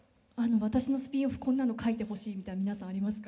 私のスピンオフこんなの書いてほしいみたいの皆さんありますか？